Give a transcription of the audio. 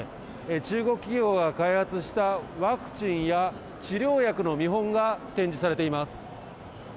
中国企業が開発したワクチンや治療薬の見本が展示されています。